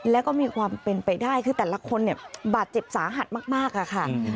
แล้วก็มีความเป็นไปได้คือแต่ละคนเนี่ยบาดเจ็บสาหัสมากค่ะ